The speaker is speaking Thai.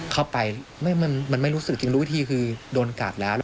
เข้าไปมันไม่รู้สึกจริงรู้วิธีคือโดนกัดแล้ว